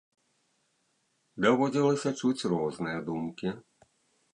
Даводзілася чуць розныя думкі.